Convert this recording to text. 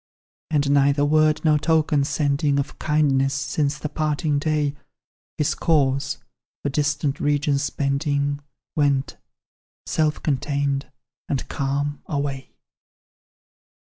"And neither word nor token sending, Of kindness, since the parting day, His course, for distant regions bending, Went, self contained and calm, away.